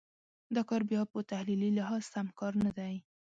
دا کار بیا په تحلیلي لحاظ سم کار نه دی.